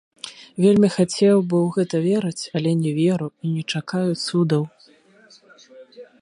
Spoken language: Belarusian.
Вельмі хацеў бы ў гэта верыць, але не веру і не чакаю цудаў.